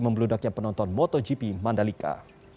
membludaknya penonton motogp mandalika